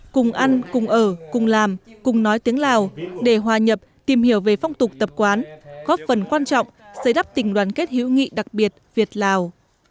cùng ăn cùng ở cùng làm cùng nói tiếng lào để hòa nhập tìm hiểu về phong tục tập quán góp phần quan trọng xây đắp tình đoàn kết hữu nghị đặc biệt việt lào